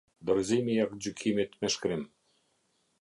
Dorëzimi i aktgjykimit me shkrim.